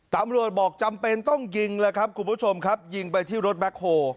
ตำรวจบอกจำเป็นต้องยิงแล้วครับคุณผู้ชมครับยิงไปที่รถแบ็คโฮ